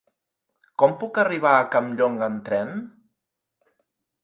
Com puc arribar a Campllong amb tren?